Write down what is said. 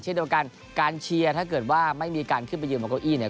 เช่นเดียวกันการเชียร์ถ้าเกิดว่าไม่มีการขึ้นไปยืนบนเก้าอี้เนี่ย